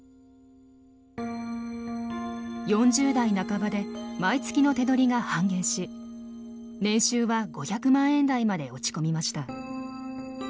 ４０代半ばで毎月の手取りが半減し年収は５００万円台まで落ち込みました。